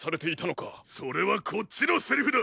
それはこっちのセリフだ！